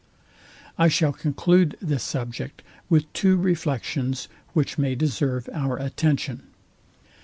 I shall conclude this subject with two reflections, which may deserve our attention.